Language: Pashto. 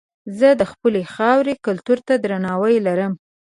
زه د خپلې خاورې کلتور ته درناوی لرم.